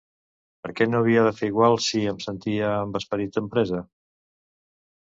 Per què no havia de fer igual, si em sentia amb esperit d'empresa?